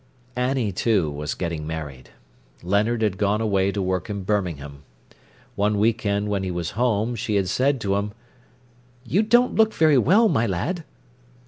Annie, too, was getting married. Leonard had gone away to work in Birmingham. One week end when he was home she had said to him: "You don't look very well, my lad."